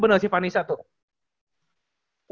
beneran si fannisa tuh